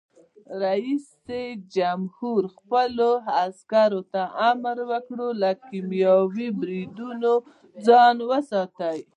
رئیس جمهور خپلو عسکرو ته امر وکړ؛ له کیمیاوي بریدونو ځان وساتئ!